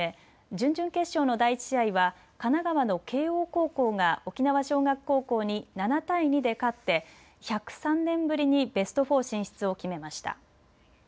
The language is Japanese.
準々決勝の第１試合は神奈川の慶応高校が沖縄尚学高校に７対２で勝って１０３年ぶりにベスト４進出を決めました。